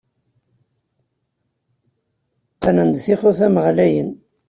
Qqnen-d tixutam ɣlayen.